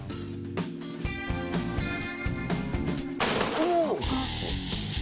おお！